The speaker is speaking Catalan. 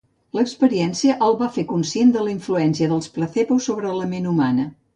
L'experiència el va fer conscient de la influència dels placebos sobre la ment humana.